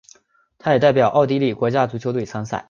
他也代表奥地利国家足球队参赛。